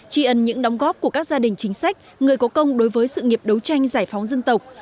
tri ân những đóng góp của các gia đình chính sách người có công đối với sự nghiệp đấu tranh giải phóng dân tộc